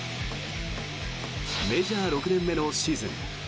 メジャー６年目のシーズン。